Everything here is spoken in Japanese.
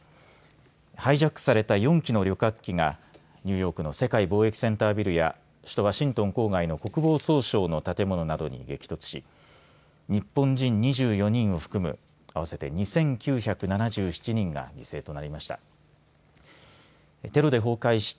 ハイジャックされた４機の旅客機がニューヨークの世界貿易センタービルや首都ワシントン郊外の国防総省の建物などに激突し日本人２４人を含む合わせて２９７７人が犠牲となりました。